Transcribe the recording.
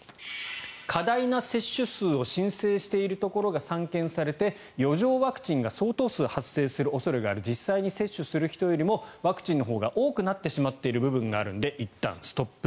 過大な接種数を申請しているところが散見されて余剰ワクチンが相当数発生する恐れがある実際に接種する人よりもワクチンのほうが多くなってしまっている部分があるので、いったんストップ。